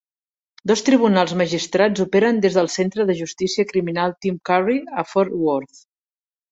Dos tribunals magistrats operen des del Centre de justícia criminal Tim Curry a Fort Worth.